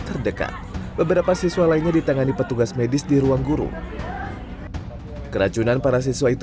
terdekat beberapa siswa lainnya ditangani petugas medis di ruang guru keracunan para siswa itu